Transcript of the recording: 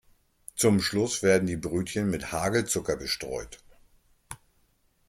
Zum Schluss werden die Brötchen mit Hagelzucker bestreut.